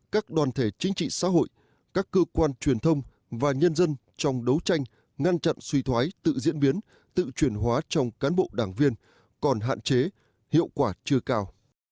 các đoàn thể chính trị xã hội các cơ quan truyền thông và nhân dân trong đấu tranh ngăn chặn suy thoái tự diễn biến tự truyền hóa trong cán bộ đảng viên còn hạn chế hiệu quả chưa cao